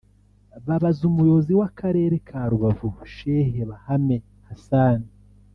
Babaza Umuyobozi w’Akarere ka Rubavu Sheikh Bahame Hassan